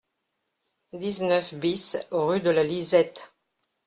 dix-neuf BIS rue de la Lisette